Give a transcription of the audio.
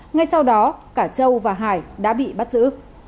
ngay sau đó cả châu và hải đã bị bắt giữ